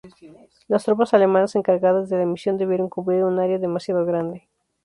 Las tropas alemanas encargadas de la misión debieron cubrir un área demasiado grande.